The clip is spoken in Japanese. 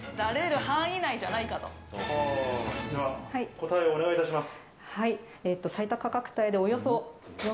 答えをお願いいたします。